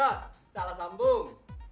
hah salah sambung